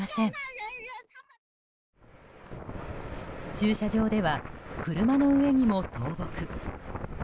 駐車場では車の上にも倒木。